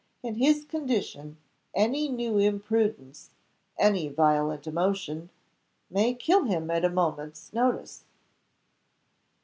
In his condition, any new imprudence, any violent emotion, may kill him at a moment's notice."